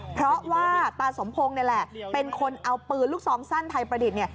เพราะว่าตาสมพงศ์นี่แหละเป็นคนเอาปืนลูกซองสั้นไทยประดิษฐ์เนี่ย